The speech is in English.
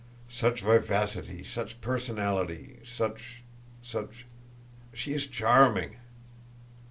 "Such vivacity, such personality, such such she is charming."